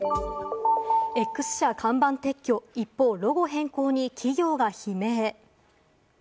Ｘ社看板撤去、一方、ロゴ変更に企業が悲鳴。